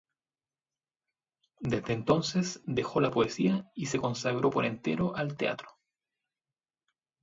Desde entonces dejó la poesía y se consagró por entero al teatro.